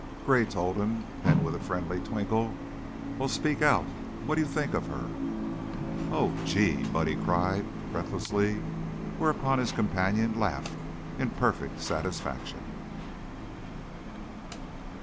Gray told him, then with a friendly twinkle: "Well, speak out! What do you think of her?" "Oh Gee!" Buddy cried, breathlessly, whereupon his companion laughed in perfect satisfaction.